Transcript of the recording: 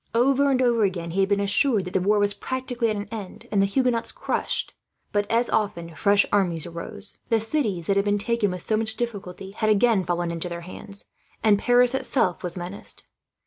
Over and over again, he had been assured that the war was practically at an end, and the Huguenots crushed; but as often, fresh armies rose. The cities that had been taken with so much difficulty had again fallen into their hands, and Paris itself was menaced.